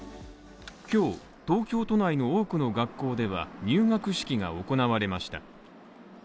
今日、東京都内の多くの学校では入学式が行われました。